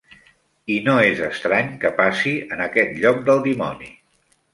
I no és estrany que passi en aquest lloc del dimoni.